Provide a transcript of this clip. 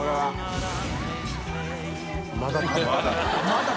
まだ。